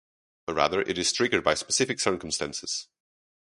Rather it is triggered by specific circumstances.